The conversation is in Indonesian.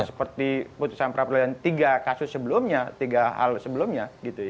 seperti putusan pra peradilan tiga hal sebelumnya